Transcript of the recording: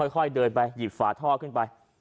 ค่อยเดินไปหยิบฝาท่อขึ้นไป